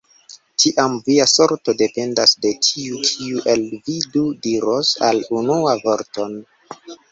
Tiam via sorto dependas de tiu, kiu el vi du diros la unuan vorton?